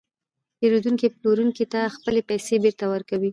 پېرودونکی پلورونکي ته خپلې پیسې بېرته ورکوي